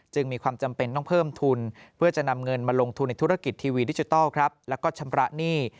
มีความจำเป็นต้องเพิ่มทุนเพื่อจะนำเงินมาลงทุนในธุรกิจทีวีดิจิทัลแล้วก็ชำระหนี้